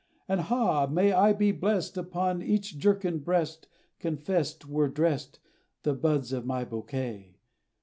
And ha! may I be blest, Upon each jerkin breast, Confest, Were drest, The buds of my bouquet!